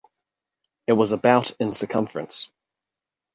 It was about in circumference.